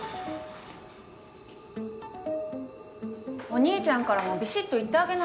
・お兄ちゃんからもびしっと言ってあげなよ。